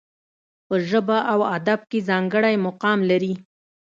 په ژبه او ادب کې ځانګړی مقام لري.